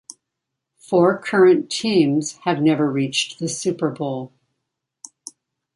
Four current teams have never reached the Super Bowl.